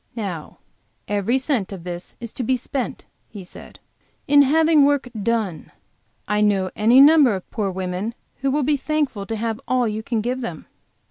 "Now every cent of this is to be spent," he said, "in having work done. I know any number of poor women who will be thankful to have all you can give them."